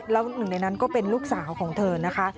แล้วหนึ่งในนั้นก็เป็นลูกสาวของเธอนะคะ